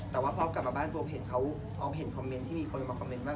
แต่ว่าพออฟกลับมาบ้านตัวอฟเห็นคอมเมนต์ที่มีคนมาคอมเมนต์ว่า